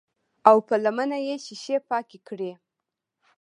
او پۀ لمنه يې شيشې پاکې کړې